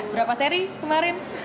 berapa seri kemarin